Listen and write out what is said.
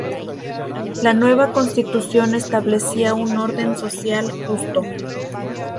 La nueva Constitución establecía un orden social justo.